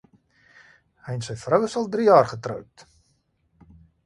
Hy en sy vrou is al drie jaar getroud.